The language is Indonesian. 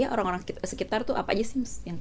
orang orang sekitar tuh apa aja sih mas